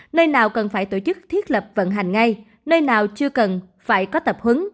nơi nào cần phải tổ chức thiết lập vận hành ngay nơi nào chưa cần phải có tập hướng